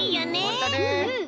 ほんとね。